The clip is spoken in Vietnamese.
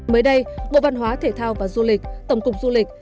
mới đây bộ văn hóa thể thao và du lịch tổng cục du lịch